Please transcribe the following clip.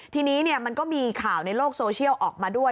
ทีนี้มันก็มีข่าวในโลกโซเชียลออกมาด้วย